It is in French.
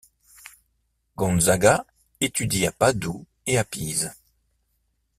Gonzaga étudie à Padoue et à Pise.